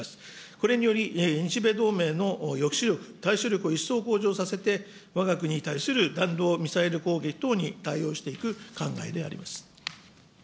これにより、日米同盟の抑止力、対処力を一層向上させて、わが国に対する弾道ミサイル攻撃等に対応していく考えであります。